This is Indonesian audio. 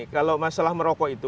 kalau masalah merokok itu